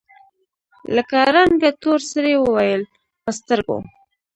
له رنګه تور سړي وويل: په سترګو!